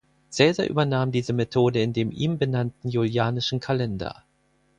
Cäsar übernahm diese Methode in dem ihm benannten Julianischen Kalender.